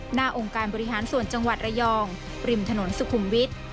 หน้าองค์การบริหารส่วนจังหวัดระยองริมถนนสุขุมวิทย์